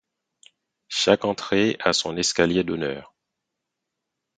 Chaque entrée a son escalier d'honneur.